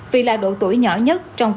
vì là độ tuổi nhỏ nhất